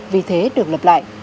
vì thế được lập lại